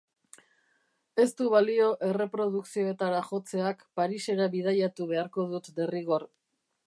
Ez du balio erreprodukzioetara jotzeak, Parisera bidaiatu beharko dut derrigor.